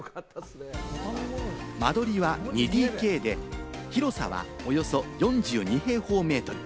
間取りは２ＤＫで、広さはおよそ４２平方メートル。